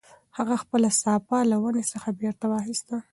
هغه خپله صافه له ونې څخه بېرته واخیسته.